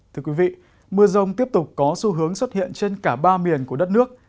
thưa quý vị mưa rông tiếp tục có xu hướng xuất hiện trên cả ba miền của đất nước